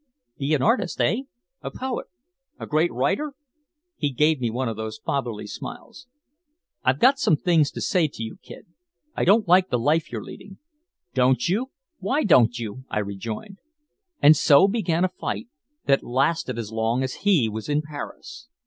"Be an artist, eh, a poet, a great writer." He gave me one of those fatherly smiles. "I've got some things to say to you, Kid. I don't like the life you're leading." "Don't you? Why don't you?" I rejoined. And so began a fight that lasted as long as he was in Paris.